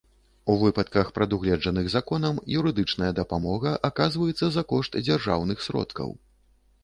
У выпадках, прадугледжаных законам, юрыдычная дапамога аказваецца за кошт дзяржаўных сродкаў.